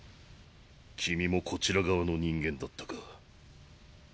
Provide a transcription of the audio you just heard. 君もこちら側の人間だったか。